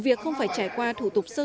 khiếu kiện kéo dài gây bức xúc dự luận